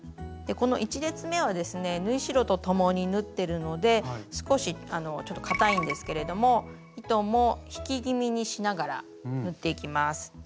この１列目はですね縫い代とともに縫ってるので少しちょっとかたいんですけれども糸も引き気味にしながら縫っていきます。